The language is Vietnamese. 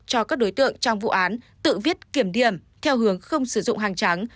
cho các đối tượng trong vụ án tự viết kiểm điểm theo hướng không sử dụng hàng trắng